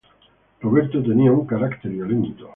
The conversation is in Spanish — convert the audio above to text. Roberto tenía un carácter violento.